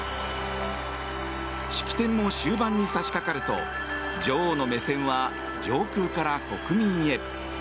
式典も終盤に差し掛かると女王の目線は上空から国民へ。